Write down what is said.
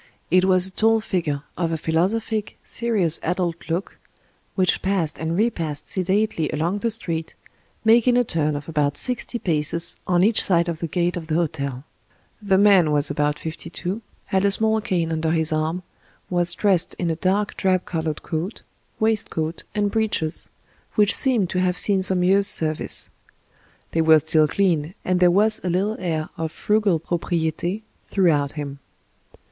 It was a tall figure of a philosophic, serious adult look, which passed and repassed sedately along the street, mak ing a turn of about sixty paces on each side of the gate of the hotel. The man was about fifty two, had a small cane under his arm, was dressed in a dark drab colored coat, waistcoat, and breeches, which seemed to have seen some years' service. They were still clean, and there was a little air of frugal propriety throughout him.